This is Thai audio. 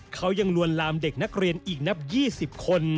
เขายังลวนลามเด็กนักเรียนอีกนับ๒๐คน